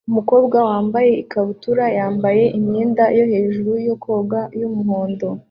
Umukobwa wambaye ikabutura yambaye imyenda yo hejuru yo koga yumuhondo